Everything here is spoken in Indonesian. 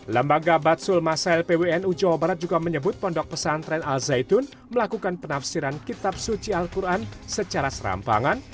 lbmnu jawa barat juga menyebut pondok pesantren al zaitun melakukan penafsiran kitab suci al quran secara serampangan